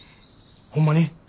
ホンマに？